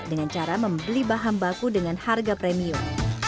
dengan cara membeli bahan baku dengan harga premium